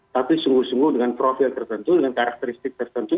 tapi sungguh sungguh dengan profil tertentu dengan karakteristik tertentu